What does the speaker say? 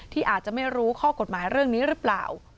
ที่อาจจะไม่รู้ข้อกฎหมายเรื่องนี้หรือเปล่า